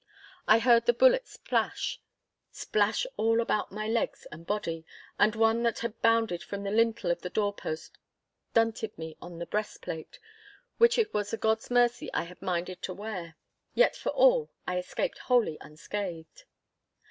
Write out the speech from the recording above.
I heard the bullets splash, splash all about my legs and body, and one that had bounded from the lintel of the door post, dunted me on the breastplate, which it was a God's mercy I had minded to wear. Yet for all I escaped wholly unscathed.